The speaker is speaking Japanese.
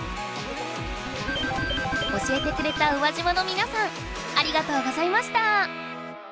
教えてくれた宇和島のみなさんありがとうございました！